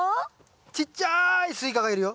ちっちゃいスイカがいるよ。